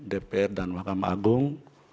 dpr dan wakam agung